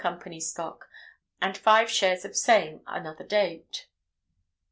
stock and five shares of same, another date.